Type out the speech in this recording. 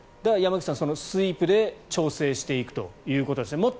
山口さん、スイープで調整していくということですね。